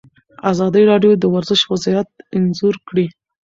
ازادي راډیو د ورزش وضعیت انځور کړی.